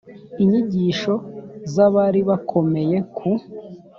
Inyigisho z abari bakomeye ku